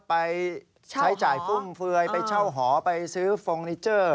ไปใช้จ่ายฟุ่มเฟือยไปเช่าหอไปซื้อฟองนิเจอร์